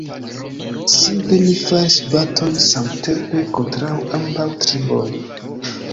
Simple ni faris baton samtempe kontraŭ ambaŭ triboj.